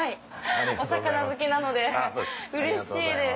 お魚好きなのでうれしいです。